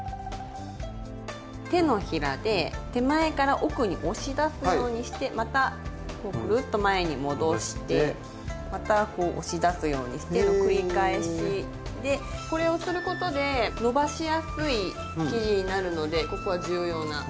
手のひらで手前から奥に押し出すようにしてまたこうぐるっと前に戻してまたこう押し出すようにしての繰り返しでこれをすることでのばしやすい生地になるのでここは重要なポイントです。